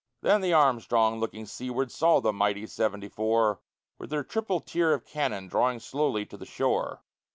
Then the Armstrong, looking seaward, saw the mighty seventy four, With her triple tier of cannon, drawing slowly to the shore.